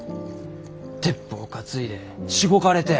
鉄砲担いでしごかれて。